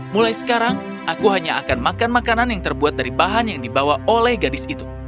mulai sekarang aku hanya akan makan makanan yang terbuat dari bahan yang dibawa oleh gadis itu